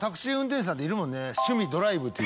いるもんね。